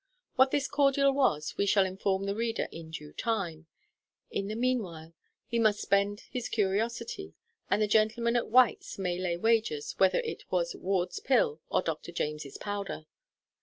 What this cordial was, we shall inform the reader in due time. In the mean while he must suspend his curiosity; and the gentlemen at White's may lay wagers whether it was Ward's pill or Dr James's powder.